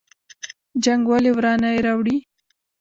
جنګ ولې ورانی راوړي؟